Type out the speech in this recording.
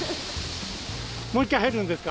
もう一回入るんですか？